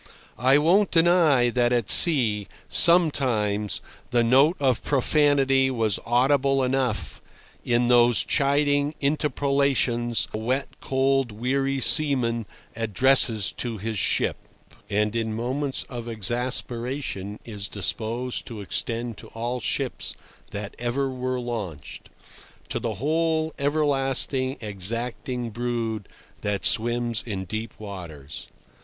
I won't deny that at sea, sometimes, the note of profanity was audible enough in those chiding interpellations a wet, cold, weary seaman addresses to his ship, and in moments of exasperation is disposed to extend to all ships that ever were launched—to the whole everlastingly exacting brood that swims in deep waters.